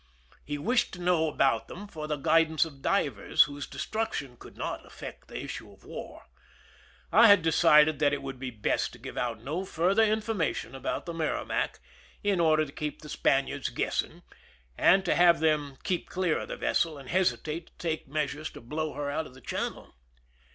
He wished to know about them for the guidance of divers, whose destruction could not affect the issue of war. I had decided that it would be best to give out no further information about th€i Merrimac, in order to keep the Spaniards guessing, and to have them keep clear of the vessel and hesitate to take measures to blow her out of the channel.